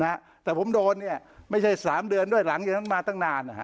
ฮะแต่ผมโดนเนี่ยไม่ใช่สามเดือนด้วยหลังจากนั้นมาตั้งนานนะฮะ